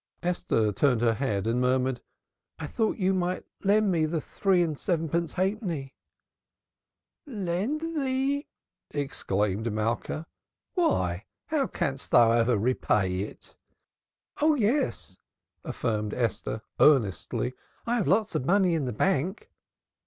Esther turned her head and murmured: "I thought you might lend me the three and sevenpence halfpenny!" "Lend thee ?" exclaimed Malka. "Why, how canst thou ever repay it?" "Oh yes," affirmed Esther earnestly. "I have lots of money in the bank."